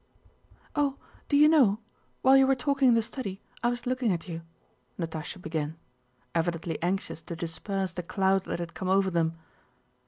"Oh, do you know? While you were talking in the study I was looking at you," Natásha began, evidently anxious to disperse the cloud that had come over them.